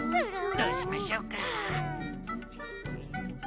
どうしましょうか？